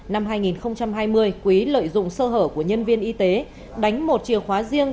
năm hai nghìn hai mươi quý lợi dụng sơ hở của nhân viên y tế đánh một chìa khóa riêng